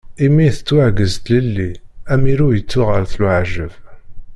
Imi tettwaggez tlelli, amirew yettuɣal d lwaǧeb.